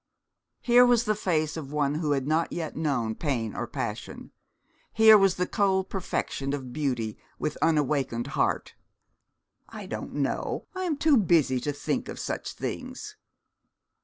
Here was the face of one who had not yet known pain or passion. Here was the cold perfection of beauty with unawakened heart. 'I don't know; I am too busy to think of such things.'